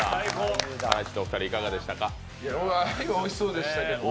鮎はおいしそうでしたけどね。